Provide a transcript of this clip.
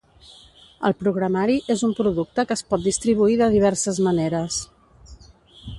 El programari és un producte que es pot distribuir de diverses maneres.